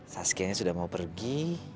saskia ini sudah mau pergi